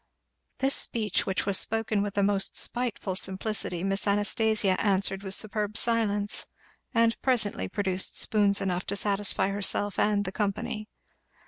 This speech which was spoken with a most spiteful simplicity Miss Anastasia answered with superb silence, and presently produced spoons enough to satisfy herself and the company.